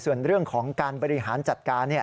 ส่วนเรื่องของการบริหารจัดการ